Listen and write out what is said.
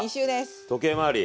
時計回り。